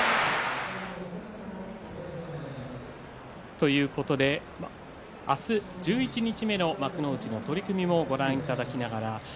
ということで明日十一日目の幕内の取組もご覧いただきます。